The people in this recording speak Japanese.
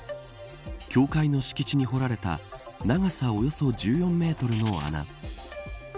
教会の敷地に掘られた長さおよそ１４メートルの穴。